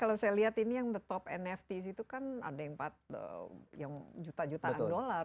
karena kalau saya lihat ini yang the top nft itu kan ada yang empat juta jutaan dolar